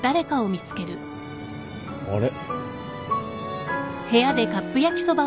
あれ？